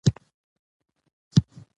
موږ به د خپلې لارې ته ادامه ورکړو.